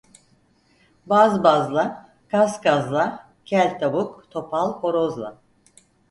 Baz bazla, kaz kazla, kel tavuk topal horozla.